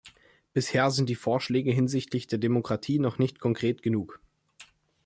Bisher sind die Vorschläge hinsichtlich der Demokratie noch nicht konkret genug.